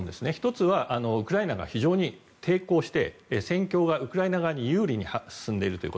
１つはウクライナが非常に抵抗して戦況がウクライナ側に有利に進んでいると。